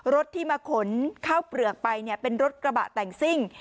รถที่มาขนข้าวเปลือกไปเนี่ยเป็นรถกระบะแต่งซิ่ง